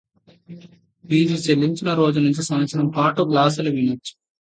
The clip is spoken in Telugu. ఫీజు చెల్లించిన రోజు నుంచి సంవత్సరం పాటు క్లాసులు వినొచ్చు